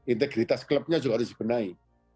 integritas klubnya juga harus dibenahi